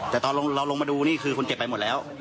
แต่ตอนเราลงมาดูนี่คือคนเจ็บไปหมดแล้ว